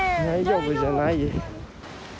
大丈夫じゃない。